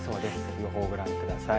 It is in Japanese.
予報をご覧ください。